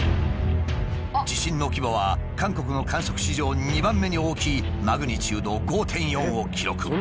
地震の規模は韓国の観測史上２番目に大きいマグニチュード５．４を記録。